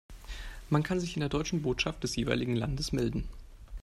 Man kann sich in der deutschen Botschaft des jeweiligen Landes melden.